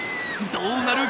どうなる？